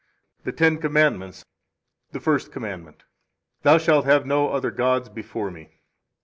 The Ten Commandments The First Commandment. Thou shalt have no other gods before Me.